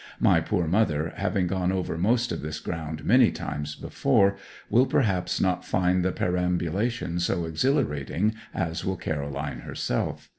My poor mother, having gone over most of this ground many times before, will perhaps not find the perambulation so exhilarating as will Caroline herself.